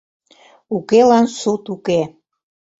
Укелан суд уке.